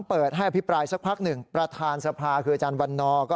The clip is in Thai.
เปิดให้อภิปรายสักพักหนึ่งประธานสภาคืออาจารย์วันนอร์ก็